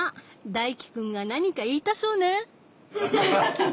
大義くんが何か言いたそうね。